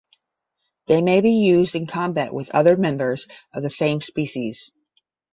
They may be used in combat with other members of the same species.